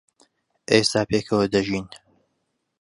ئێستا پێکەوە دەژین.